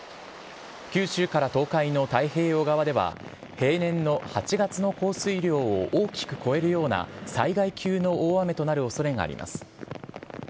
九州から東海の太平洋側では平年の８月の降水量を大きく超えるような災害級の大雨となるおそれがあります。